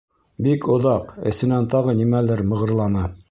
Бик оҙаҡ, эсенән тағы нимәлер мығырланы.